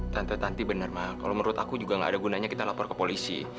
tante tante bener ma kalau menurut aku juga nggak ada gunanya kita lapor ke polisi